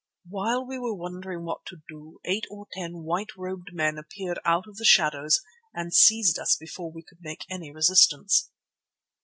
While we were wondering what to do, eight or ten white robed men appeared out of the shadows and seized us before we could make any resistance.